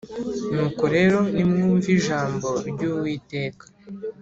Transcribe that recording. Nuko rero nimwumve ijambo ry Uwiteka